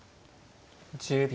１０秒。